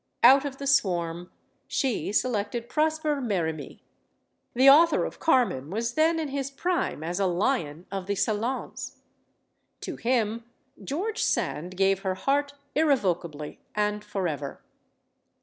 Out of the swarm, she selected Prosper Merimee. The author of "Carmen" was then in his prime as a lion of the salons. To him George Sand gave her heart irrevocably and forever.